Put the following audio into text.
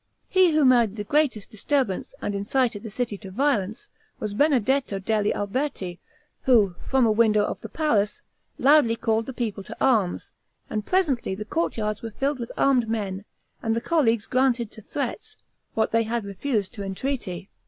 He who made the greatest disturbance, and incited the city to violence, was Benedetto degli Alberti, who, from a window of the palace, loudly called the people to arms; and presently the courtyards were filled with armed men, and the Colleagues granted to threats, what they had refused to entreaty.